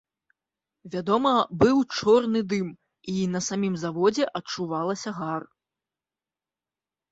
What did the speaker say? Вядома, быў чорны дым, і на самім заводзе адчувалася гар.